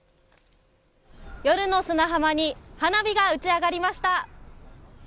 夜の砂浜に花火が打ち上がりました。